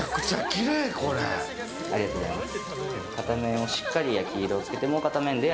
ありがとうございます。